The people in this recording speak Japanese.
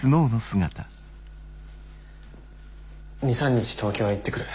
２３日東京へ行ってくる。